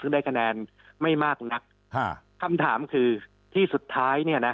ซึ่งได้คะแนนไม่มากนักคำถามคือที่สุดท้ายเนี่ยนะ